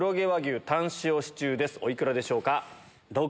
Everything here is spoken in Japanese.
お幾らでしょうか？